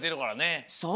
そう！